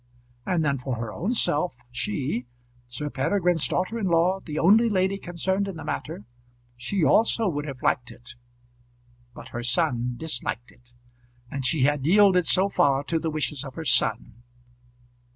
And then for her own self, she, Sir Peregrine's daughter in law, the only lady concerned in the matter, she also would have liked it. But her son disliked it, and she had yielded so far to the wishes of her son.